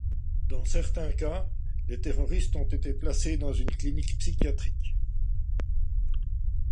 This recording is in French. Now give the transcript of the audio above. Dans certains cas, les terroristes ont été placés dans une clinique psychiatrique.